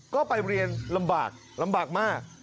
ก็ไปเรียนลำบากลำบากมาก